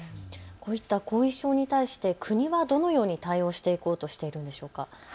こういった後遺症に対して国はどのように対応していこうとしているんでしょうか。